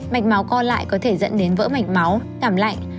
mạch máu co lại có thể dẫn đến vỡ mạch máu cảm lạnh